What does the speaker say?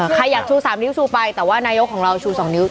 ใครอยากชู๓นิ้วชูไปแต่ว่านายกของเราชู๒นิ้ว